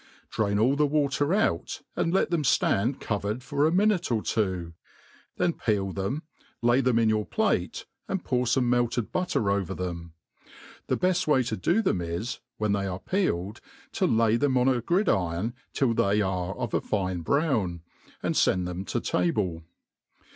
Drain all the water out, and let them ftand covered for a mioiite or two ; then peel them, lay them in your plate, and po^r fome melted butter over them. The beft way to do them is, when they are peeled to lay them On a gridiron till they are of a fine brown, and fend them to table.